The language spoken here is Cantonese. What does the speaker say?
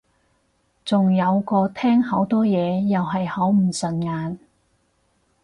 仲有個廳好多嘢又係好唔順眼